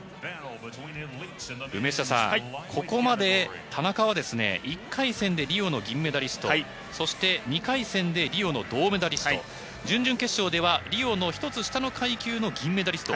梅下さん、ここまで田中は、１回戦でリオの銀メダリスト、そして２回戦でリオの銅メダリスト、準々決勝ではリオの一つ下の階級の銀メダリスト。